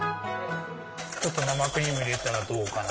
ちょっと生クリーム入れたらどうかな。